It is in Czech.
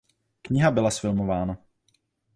Kniha byla zfilmována.